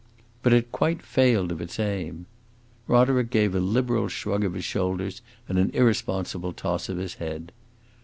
But it quite failed of its aim. Roderick gave a liberal shrug of his shoulders and an irresponsible toss of his head.